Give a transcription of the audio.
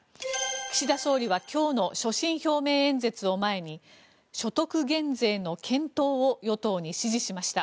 岸田総理は今日の所信表明演説を前に所得減税の検討を与党に指示しました。